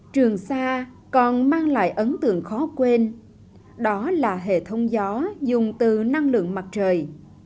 trường sa còn mang lại ấn tượng khó quên đó là hệ thống gió dùng từ năng lượng mặt trời